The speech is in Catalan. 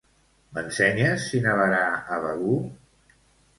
M'ensenyes si nevarà a Begur?